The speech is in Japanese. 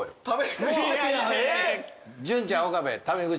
潤ちゃん岡部タメ口。